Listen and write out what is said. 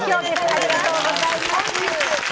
ありがとうございます。